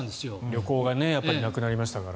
旅行がなくなりましたから。